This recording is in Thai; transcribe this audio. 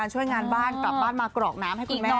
เราจะไปทำงานบ้านกลับบ้านมากรอกน้ำให้คุณแม่